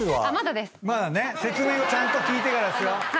説明をちゃんと聞いてからです。